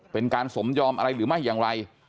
เป็นการสมยอมอะไรหรือไม่อย่างไร